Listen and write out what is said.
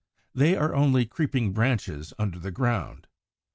They are only creeping branches under ground.